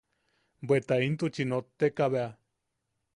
Bweta intuchi notteka bea.